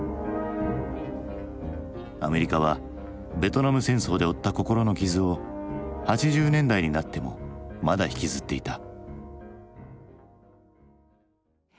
アメリカはベトナム戦争で負った心の傷を８０年代になってもまだ引きずっていた。